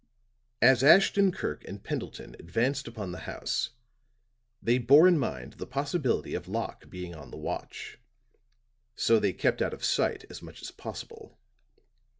As Ashton Kirk and Pendleton advanced upon the house, they bore in mind the possibility of Locke being on the watch; so they kept out of sight as much as possible.